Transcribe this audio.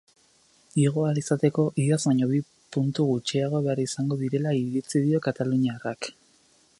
Igo ahal izateko iaz baino puntu gutxiago behar izango direla iritzi dio kataluniarrak.